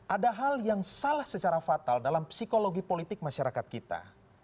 ada hal yang salah secara fatal dalam psikologi politik masyarakat kita